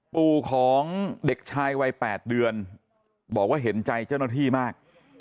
ปู่ของเด็กชายวัย๘เดือนบอกว่าเห็นใจเจ้าหน้าที่มาก